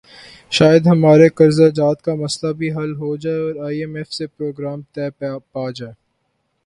شاید ہمارے قرضہ جات کا مسئلہ بھی حل ہو جائے اور آئی ایم ایف سے پروگرام طے پا جائے۔